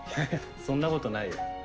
そんなことないよ。